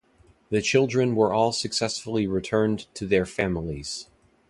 The children were all successfully returned to their families.